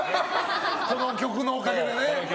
この曲のおかげでね。